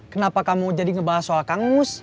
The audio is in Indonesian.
kenapa kamu jadi ngebahas soal kang mus